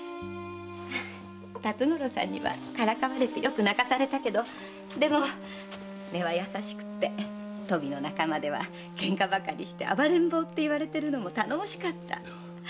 辰五郎さんにはからかわれてよく泣かされたけどでも根は優しくて鳶の仲間ではケンカばかりして「暴れん坊」と言われているのも頼もしかった。